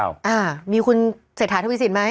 อ้าวมีคุณเศรษฐาธุ์วิสินไหม